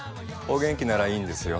お元気ならいいんですよ。